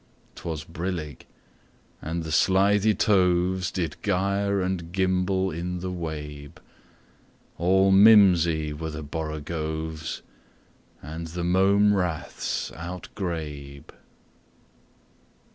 'T was brillig, and the slithy tovesDid gyre and gimble in the wabe; All mimsy were the borogoves, And the mome raths outgrabe.